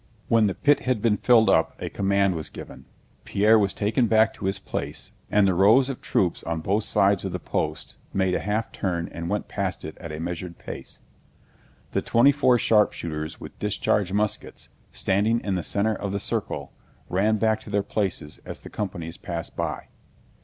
When the pit had been filled up a command was given. Pierre was taken back to his place, and the rows of troops on both sides of the post made a half turn and went past it at a measured pace. The twenty four sharpshooters with discharged muskets, standing in the center of the circle, ran back to their places as the companies passed by.